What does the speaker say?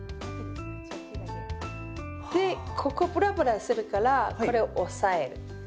でここブラブラするからこれ押さえる。